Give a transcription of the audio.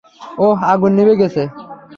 ওহ, আগুন নিভে গেছে।